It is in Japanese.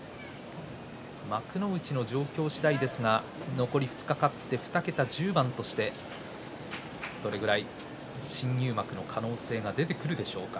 幕内の状況次第ですが残り２日勝って２桁１０番としてどれぐらい新入幕の可能性が出てくるでしょうか。